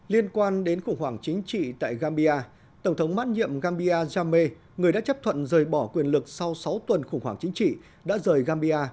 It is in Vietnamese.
liên quan đến khủng hoảng chính trị tại gambia tổng thống mát nhiệm gambia jame người đã chấp thuận rời bỏ quyền lực sau sáu tuần khủng hoảng chính trị đã rời gambia